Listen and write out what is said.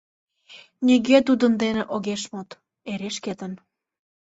Нигӧ тудын дене огеш мод, эре шкетын.